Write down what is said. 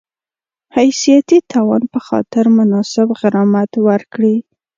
حیثیتي تاوان په خاطر مناسب غرامت ورکړي